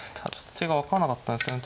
手が分からなかったんですよね